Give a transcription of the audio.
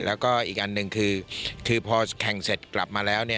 แล้วก็อีกอันหนึ่งคือพอแข่งเสร็จกลับมาแล้ว